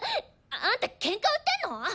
あんたケンカ売ってんの！？